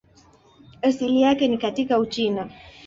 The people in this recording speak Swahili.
Asili yake ni katika Uchina.